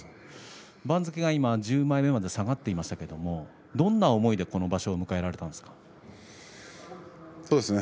番付が今１０枚目まで下がっていますけれどどんな思いでこの場所を迎えられたんですか。